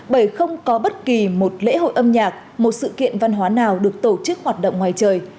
bởi không có bất kỳ một lễ hội âm nhạc một sự kiện văn hóa nào được tổ chức hoạt động ngoài trời